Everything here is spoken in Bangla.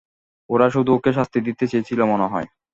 ওরা শুধু ওকে শাস্তি দিতে চেয়েছিল মনে হয়।